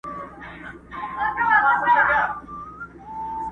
تور پنجاب پر نړېدو دی٫